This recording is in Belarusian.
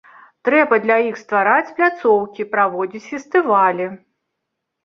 Трэба для іх ствараць пляцоўкі, праводзіць фестывалі.